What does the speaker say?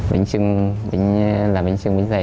bánh chưng làm bánh chưng bánh dày